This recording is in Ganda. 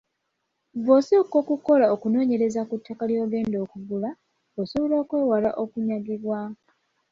Bw'osooka okukola okunoonyereza ku ttaka ly'ogenda okugula, osobola okwewala okunyagibwa.